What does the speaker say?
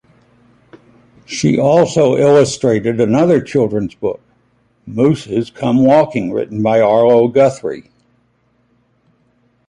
She also illustrated another children's book, "Mooses Come Walking", written by Arlo Guthrie.